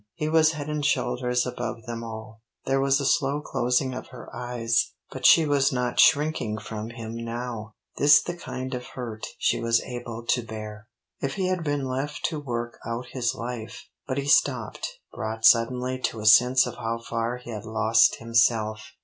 He was head and shoulders above them all." There was a slow closing of her eyes, but she was not shrinking from him now; this the kind of hurt she was able to bear. "If he had been left to work out his life " but he stopped, brought suddenly to a sense of how far he had lost himself.